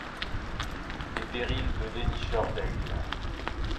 Des périls de dénicheur d'aigles.